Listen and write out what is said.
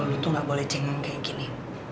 lo tuh gak boleh cengang kayak gini